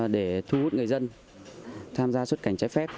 để thu hút người dân tham gia xuất cảnh trái phép